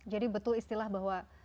jadi betul istilah bahwa